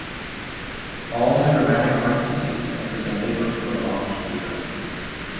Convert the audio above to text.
All had rheumatic heart disease and presented with prolonged fever.